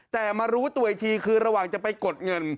แต่มารู้ตัวอีกทีคือระหว่างจะไปกดเงิน